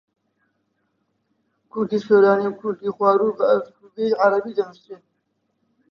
کوردیی سۆرانی و کوردیی خواروو بە ئەلفوبێی عەرەبی دەنووسرێن.